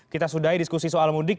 kita sudahi diskusi soal mudik